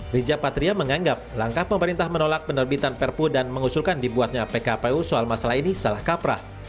rija patria menganggap langkah pemerintah menolak penerbitan perpu dan mengusulkan dibuatnya pkpu soal masalah ini salah kaprah